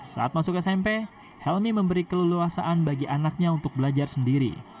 saat masuk smp helmi memberi keleluasaan bagi anaknya untuk belajar sendiri